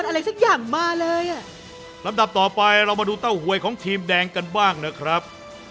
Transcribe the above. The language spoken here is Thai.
นำดับต่อไปเรามาดูเต้าหวยของทีมแดงกันบ้างนะครับ